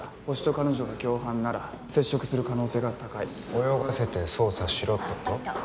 ホシと彼女が共犯なら接触する可能性が高い泳がせて捜査しろってこと？